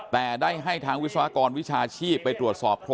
แต่ได้ให้ทางวิศวกรวิชาชีพไปตรวจสอบ